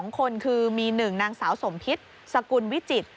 ๒คนคือมี๑นางสาวสมพิษสกุลวิจิตร